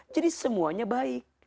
jadi semuanya baik